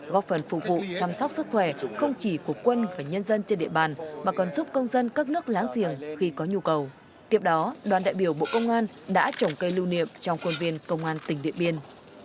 góp phần phục vụ chăm sóc sức khỏe không chỉ của quân và nhân dân trên địa bàn mà còn giúp công dân các nước láng giềng khi có nhu cầu tiếp đó đoàn đại biểu bộ công an đã trồng cây lưu niệm trong quân viên công an tỉnh điện biên